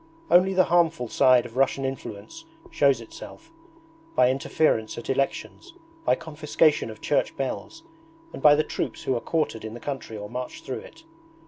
Only the harmful side of Russian influence shows itself by interference at elections, by confiscation of church bells, and by the troops who are quartered in the country or march through it.